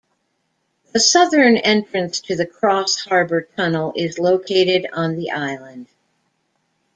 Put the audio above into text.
The southern entrance to the Cross-Harbour Tunnel is located on the Island.